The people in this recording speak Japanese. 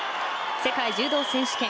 世界柔道選手権